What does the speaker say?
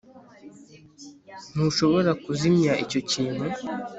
ntushobora kuzimya icyo kintu